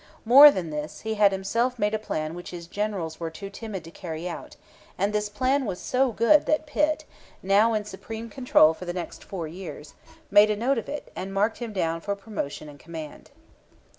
More than this, he had himself made a plan which his generals were too timid to carry out; and this plan was so good that Pitt, now in supreme control for the next four years, made a note of it and marked him down for promotion and command.